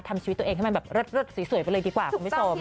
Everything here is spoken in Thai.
ทำชีวิตตัวเองให้มันแบบสวยไปเลยดีกว่าคุณพี่โสม